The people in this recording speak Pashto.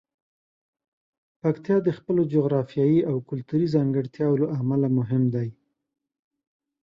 پکتیا د خپلو جغرافیايي او کلتوري ځانګړتیاوو له امله مهم دی.